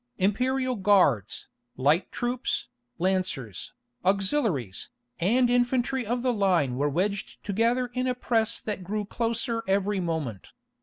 Imperial guards, light troops, lancers, auxiliaries, and infantry of the line were wedged together in a press that grew closer every moment.